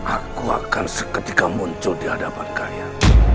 aku akan seketika muncul di hadapan kaya